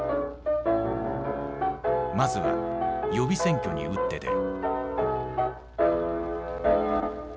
まずは予備選挙に打って出る。